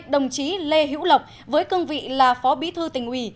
đồng chí lê hữu lộc với cương vị là phó bí thư tỉnh ủy